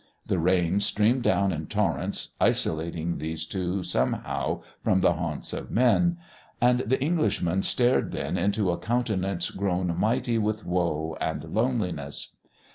The rain streamed down in torrents, isolating these two somehow from the haunts of men. And the Englishman stared then into a countenance grown mighty with woe and loneliness.